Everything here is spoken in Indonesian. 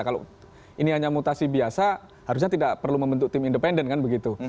kalau ini hanya mutasi biasa harusnya tidak perlu membentuk tim independen kan begitu